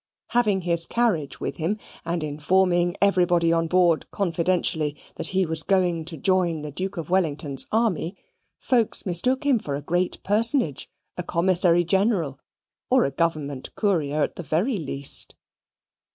Having his carriage with him, and informing everybody on board confidentially that he was going to join the Duke of Wellington's army, folks mistook him for a great personage, a commissary general, or a government courier at the very least.